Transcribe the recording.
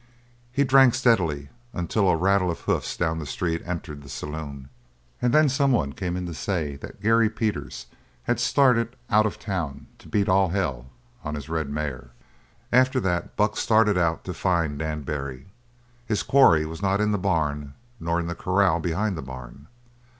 He drank steadily until a rattle of hoofs down the street entered the saloon, and then someone came in to say that Gary Peters had started out of town to "beat all hell, on his red mare." After that, Buck started out to find Dan Barry. His quarry was not in the barn nor in the corral behind the barn.